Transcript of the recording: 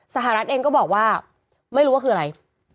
สหรัฐเองก็บอกว่าไม่รู้ว่าคืออะไร